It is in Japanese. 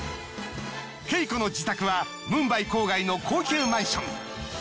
ＫＥＩＫＯの自宅はムンバイ郊外の高級マンション。